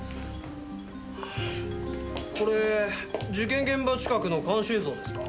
これ事件現場近くの監視映像ですか？